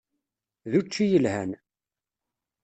D učči yelhan.